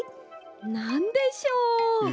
なんでしょう？